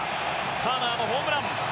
ターナーのホームラン。